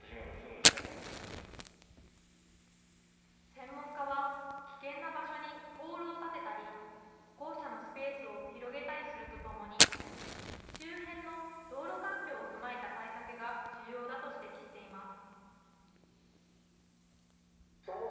専門家は危険な場所にポールを立てたり歩行者のスペースを広げたりするとともに周辺の道路環境を踏まえた対策が重要だと指摘しています。